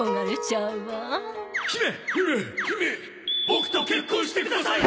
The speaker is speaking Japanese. ボクと結婚してください！